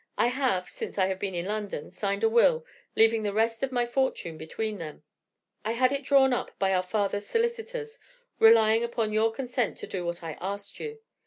I have, since I have been in London, signed a will, leaving the rest of my fortune between them. I had it drawn up by our father's solicitors, relying upon your consent to do what I asked you.